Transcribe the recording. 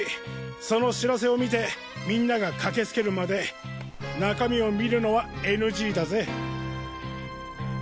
その知らせを見てみんなが駆けつけるまで中身を見るのはＮＧだぜ。